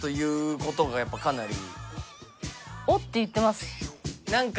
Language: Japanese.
「おっ！」って言ってます。